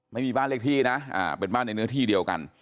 ไม่มีบ้านเลขที่นะเป็นบ้านในเนื้อที่เดียวกัน